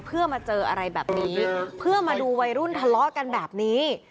เพื่อมาเจออะไรแบบนี้เพื่อมาดูวัยรุ่นทะเลาะกันแบบนี้